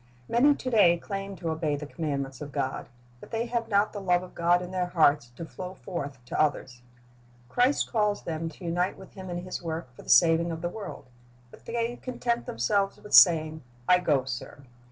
Many to day claim to obey the commandments of God, but they have not the love of God in their hearts to flow forth to others. Christ calls them to unite with Him in His work for the saving of the world, but they content themselves with saying, "I go, sir."